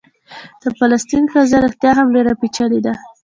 د فلسطین قضیه رښتیا هم ډېره پېچلې ده.